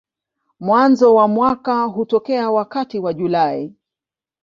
Mwanzo wa mwaka hutokea wakati wa Julai.